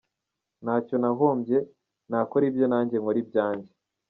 Ntacyo nahombye, nakore ibye nanjye nkore ibyanjye.